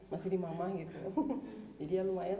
masih di mamah gitu